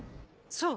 そう。